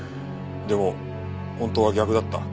でも本当は逆だった。